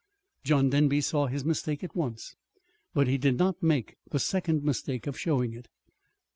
John Denby saw his mistake at once; but he did not make the second mistake of showing it.